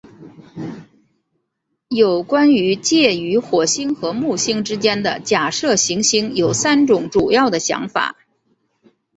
有关于介于火星和木星之间的假设行星有三种主要的想法。